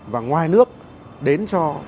và ngoài nước đến cho